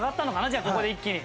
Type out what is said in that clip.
じゃあここで一気に。